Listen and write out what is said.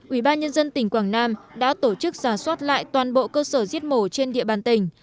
ubnd tỉnh quảng nam đã tổ chức giả soát lại toàn bộ cơ sở giết mổ trên địa bàn tỉnh